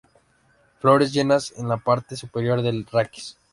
Flores llenas en la parte superior del raquis.